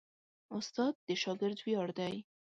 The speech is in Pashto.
استاد د شاګرد ویاړ دی.